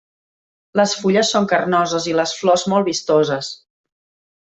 Les fulles són carnoses i les flors molt vistoses.